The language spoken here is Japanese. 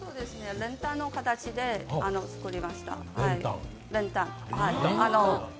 練炭の形で作りました。